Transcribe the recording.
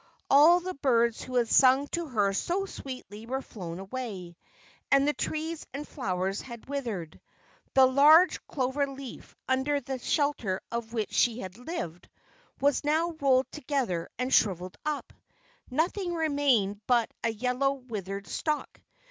All the birds who had sung to her so sweetly were flown away, and the trees and the flowers had withered. The large clover leaf under the shelter of which she had lived, was now rolled together and shrivelled up, nothing remained but a yellow withered stalk.